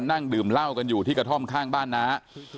นั่งดื่มเหล้ากันอยู่ที่กระท่อมข้างบ้านน้า